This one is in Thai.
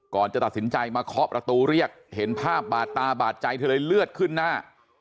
ก่อนจะตัดสินใจมาเคาะประตูเรียกเห็นภาพบาดตาบาดใจเธอเลยเลือดขึ้นหน้า